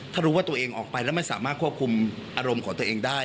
ถ้ารู้ว่าตัวเองออกไปแล้วไม่สามารถควบคุมอารมณ์ของตัวเองได้